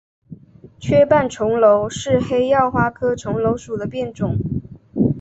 缺瓣重楼是黑药花科重楼属的变种。